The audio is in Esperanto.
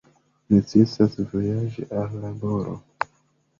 Necesas vojaĝi al laboro.